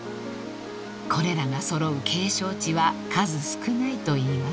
［これらが揃う景勝地は数少ないといいます］